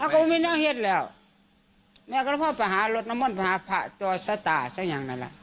อ่าก็ไม่น่าเห็นแล้วแม่ก็ต้องไปหารถนมนต์หาตัวสตาซักอย่างนั้นแหละ